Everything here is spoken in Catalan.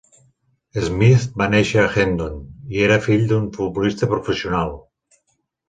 Smith va néixer a Hendon, i era el fill d'un futbolista professional.